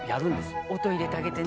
音入れてあげてね。